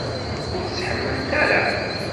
Ur tt-tḥemmlemt ara?